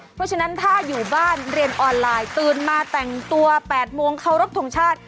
เพราะฉะนั้นถ้าอยู่บ้านเรียนออนไลน์ตื่นมาแต่งตัว๘โมงเคารพทงชาติ